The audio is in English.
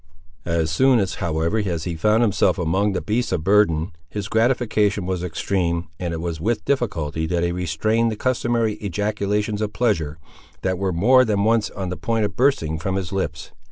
As soon, however, as he found himself among the beasts of burden, his gratification was extreme, and it was with difficulty that he restrained the customary ejaculations of pleasure that were more than once on the point of bursting from his lips.